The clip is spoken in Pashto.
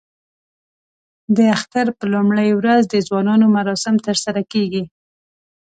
د اختر په لومړۍ ورځ د ځوانانو مراسم ترسره کېږي.